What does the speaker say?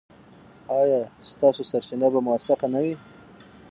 ایا ستاسو سرچینه به موثقه نه وي؟